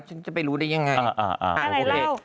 ฉันจะไปรู้ได้ยังไงโอเค